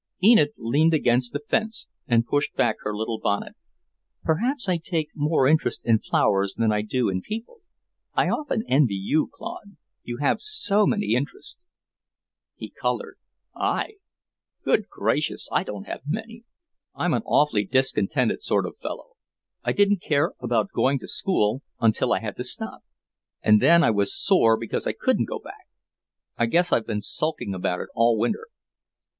Enid leaned against the fence and pushed back her little bonnet. "Perhaps I take more interest in flowers than I do in people. I often envy you, Claude; you have so many interests." He coloured. "I? Good gracious, I don't have many! I'm an awfully discontented sort of fellow. I didn't care about going to school until I had to stop, and then I was sore because I couldn't go back. I guess I've been sulking about it all winter."